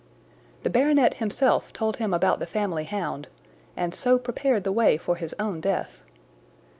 "The baronet himself told him about the family hound, and so prepared the way for his own death.